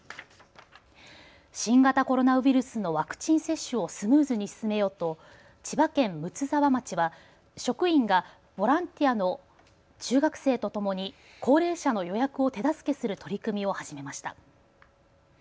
新型コロナウイルスのワクチン接種をスムーズに進めようと千葉県睦沢町は職員がボランティアの中学生とともに高齢者の予約を手助けする取り組みを始めました。